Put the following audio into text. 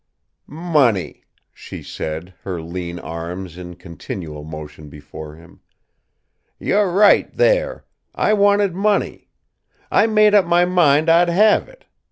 "Money!" she said, her lean arms in continual motion before him. "You're right, there. I wanted money. I made up my mind I'd have it.